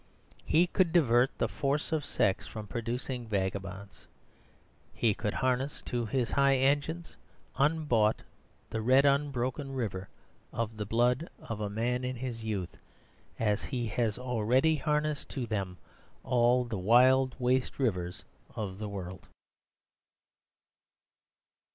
He could divert the force of sex from producing vagabonds. And he could harness to his high engines unbought the red unbroken river of the blood of a man in his youth, as he has already harnessed to them all the wild waste rivers of the world.